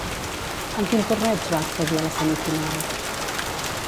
En quin torneig va accedir a la semifinal?